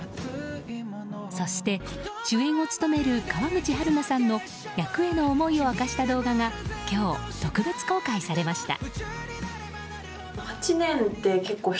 そして主演を務める川口春奈さんの役への思いを明かした動画が今日、特別公開されました。